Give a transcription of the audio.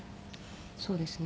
そうですね。